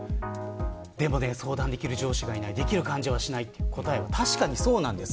でも相談できる上司がいないできる感じがしないという答えは確かにそうです。